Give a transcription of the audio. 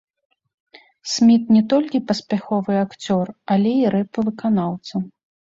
Сміт не толькі паспяховы акцёр, але і рэп-выканаўца.